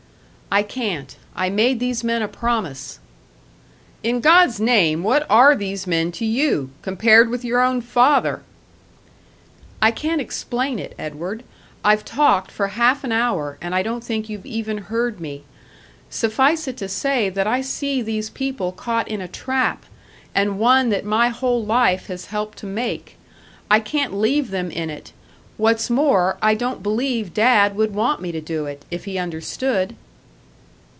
"I can't. I made these men a promise!" "In God's name what are these men to you? Compared with your own father!" "I can't explain it, Edward. I've talked for half an hour, and I don't think you've even heard me. Suffice it to say that I see these people caught in a trap and one that my whole life has helped to make. I can't leave them in it. What's more, I don't believe Dad would want me to do it, if he understood."